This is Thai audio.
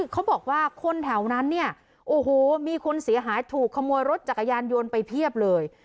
เขาบอกว่าคนแถวนั้นเนี่ยโอ้โหมีคนเสียหายถูกขโมยรถจักรยานยนต์ไปเพียบเลย